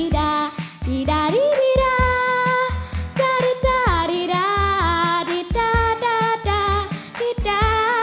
ขอบคุณค่ะ